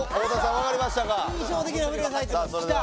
分かりましたかさあ